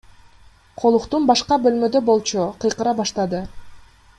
Колуктум башка бөлмөдө болчу, кыйкыра баштады.